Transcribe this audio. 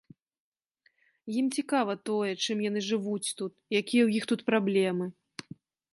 Ім цікава тое, чым яны жывуць тут, якія ў іх тут праблемы.